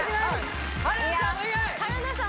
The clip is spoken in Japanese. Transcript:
春菜さん